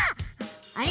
あれ？